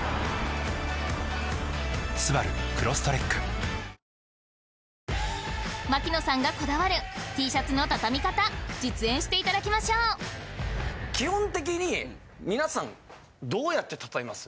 本麒麟槙野さんがこだわるＴシャツの畳み方実演していただきましょう基本的に皆さんどうやって畳みます？